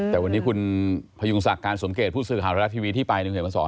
แต่วันนี้คุณพยุงศักดิ์การสมเกตผู้สื่อหารักทีวีที่ไป